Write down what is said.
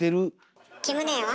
キム姉は？